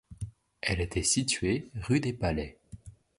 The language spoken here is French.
Elle était située rue des Palais.